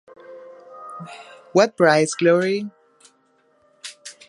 What Price Glory?